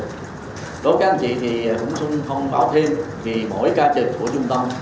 đối với các anh chị thì cũng không bảo thêm vì mỗi ca trực của trung tông